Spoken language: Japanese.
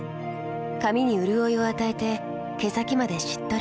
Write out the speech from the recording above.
髪にうるおいを与えて毛先までしっとり。